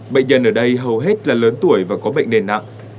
bệnh nhân ở đây hầu hết là lớn tuổi và có bệnh nền nặng